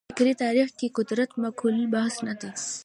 فکري تاریخ کې قدرت مقولې بحث نه دی.